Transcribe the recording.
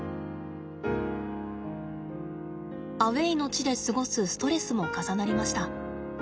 アウェーの地で過ごすストレスも重なりました。